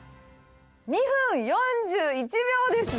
２分４１秒ですね。